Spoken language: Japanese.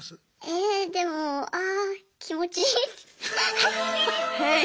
えでもあ気持ちいい。